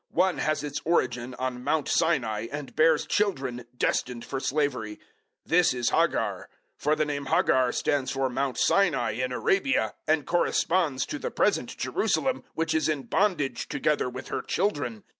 One has its origin on Mount Sinai, and bears children destined for slavery. 004:025 This is Hagar; for the name Hagar stands for Mount Sinai in Arabia, and corresponds to the present Jerusalem, which is in bondage together with her children.